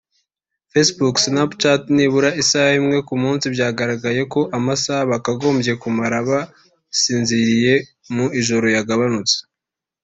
Facebook na Snapchat nibura isaha imwe ku munsi byagaragaye ko amasaha bakagombye kumara basinziriye mu ijoro yagabanutse